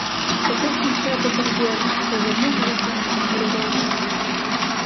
Протиснувся до бар'єру, зазирнув у віконце на урядовця.